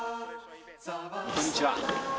こんにちは。